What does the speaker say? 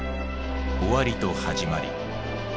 終わりと始まり。